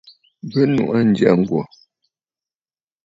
Bɨ nuʼu aa ǹjyâ ŋ̀gwò.